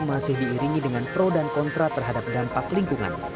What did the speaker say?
masih diiringi dengan pro dan kontra terhadap dampak lingkungan